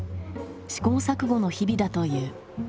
試行錯誤の日々だという。